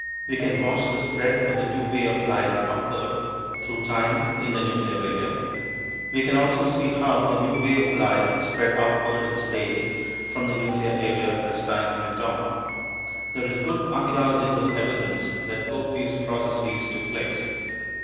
We can watch the spread of the new way of life upward through time in the nuclear area. We can also see how the new way of life spread outward in space from the nuclear area, as time went on. There is good archeological evidence that both these processes took place.